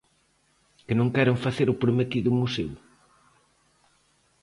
Que non queren facer o prometido museo.